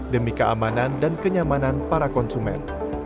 demi keamanan dan kenyamanan para konsumen